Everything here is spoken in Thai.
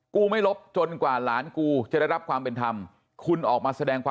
กูไม่ลบจนกว่าหลานกูจะได้รับความเป็นธรรม